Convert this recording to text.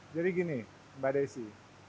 jadi gini mbak desi